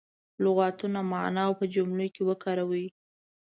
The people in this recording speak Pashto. لغتونه معنا او په جملو کې وکاروي.